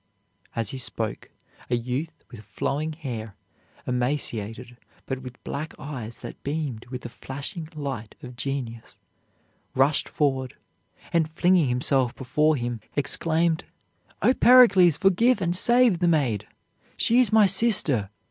As he spoke a youth with flowing hair, emaciated, but with black eyes that beamed with the flashing light of genius, rushed forward, and flinging himself before him exclaimed: "O Pericles, forgive and save the maid! She is my sister.